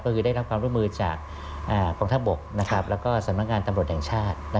ก็คือได้รับความร่วมมือจากกองทัพบกแล้วก็สำนักงานตำรวจแห่งชาติ